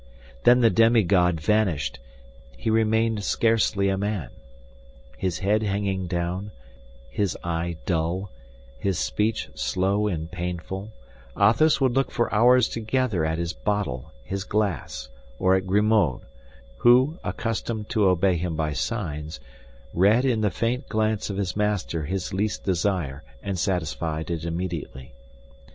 Then the demigod vanished; he remained scarcely a man. His head hanging down, his eye dull, his speech slow and painful, Athos would look for hours together at his bottle, his glass, or at Grimaud, who, accustomed to obey him by signs, read in the faint glance of his master his least desire, and satisfied it immediately.